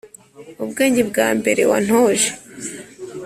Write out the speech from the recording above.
ubwenge bwa mbere wantoje